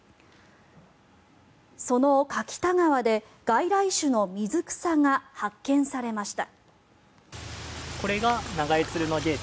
その柿田川で外来種の水草が発見されました。